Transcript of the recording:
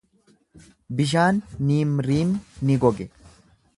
Bishaan Niimriim ni goge.